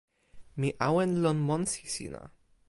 mi awen lon monsi sina.